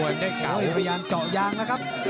โรกยารจออย่างละครับ